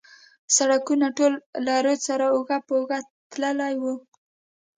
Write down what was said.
سړکونه ټول له رود سره اوږه پر اوږه تللي و.